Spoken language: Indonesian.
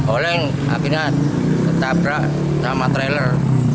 oleng akhirnya ketabrak sama trailer